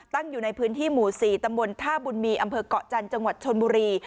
อยู่ในพื้นที่หมู่๔ตำบลท่าบุญมีอำเภอกเกาะจันทร์จังหวัดชนบุรี